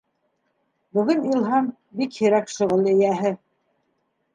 Бөгөн Илһам — бик һирәк шөғөл эйәһе.